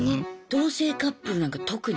同棲カップルなんか特に。